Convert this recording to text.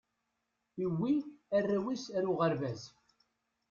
iwwi arraw is ar uɣerbaz